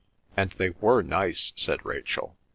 "And they were nice," said Rachel.